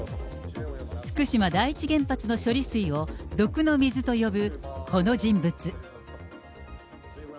福島第一原発の処理水を、毒の水と呼ぶこの人物。